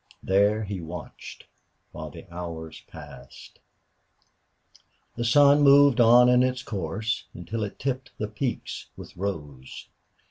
There he watched while the hours passed. The sun moved on in its course until it tipped the peaks with rose.